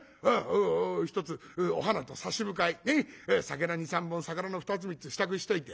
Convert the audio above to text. ひとつお花と差し向かい酒の２３本さかなの２つ３つ支度しといて